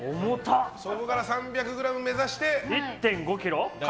そこから３００ｇを目指して。